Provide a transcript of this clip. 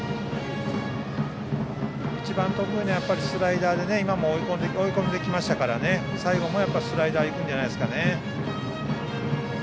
一番得意なスライダーで追い込んできましたから最後もスライダーじゃないですか。